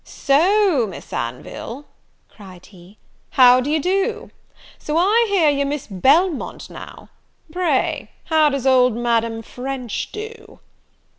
"So, Miss Anville," cried he, "how do you do? So I hear you're Miss Belmont now; pray, how does old Madame French do?"